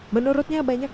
menurutnya banyak masyarakat